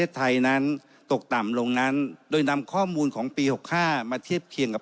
ไทยนั้นตกต่ำลงนั้นโดยนำข้อมูลของปี๖๕มาเทียบเคียงกับ